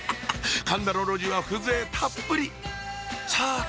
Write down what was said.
神田の路地は風情たっぷりさて